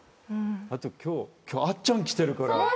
あと今日あっちゃん来てるから。